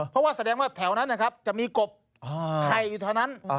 เพราะว่าแถวนั้นจะมีกบไข่อยู่ทั้งนั้น